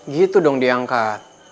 gitu dong diangkat